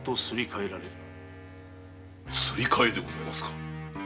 すり替えでございますか？